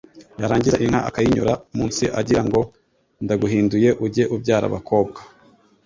yarangiza inka akayinyura munsi agira ngo Ndaguhinduye ujye ubyara abakobwa